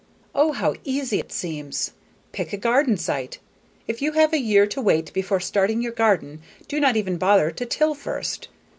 Oh, how easy it seems! Pick a garden site. If you have a year to wait before starting your garden do not even bother to till first.